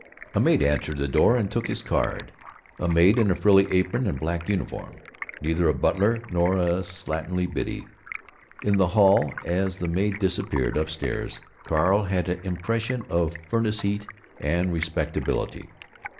A maid answered the door and took his card—a maid in a frilly apron and black uniform—neither a butler nor a slatternly Biddy. In the hall, as the maid disappeared up stairs, Carl had an impression of furnace heat and respectability.